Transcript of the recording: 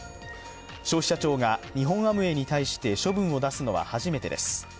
消費者庁が日本アムウェイに対して処分を出すのは初めてです。